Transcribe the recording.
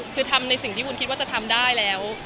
คือทำในสิ่งที่วุ้นคิดว่าจะทำได้แล้ว